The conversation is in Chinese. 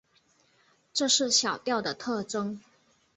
这是小调的特征。